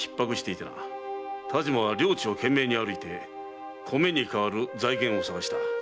但馬は領地を懸命に歩いて米に代わる財源を探した。